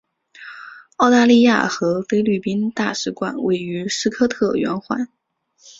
澳大利亚和菲律宾大使馆位于斯科特圆环。